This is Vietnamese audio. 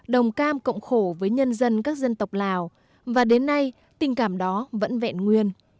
đồng cam cộng khổ với nhân dân các dân tộc lào và đến nay tình cảm đó vẫn vẹn nguyên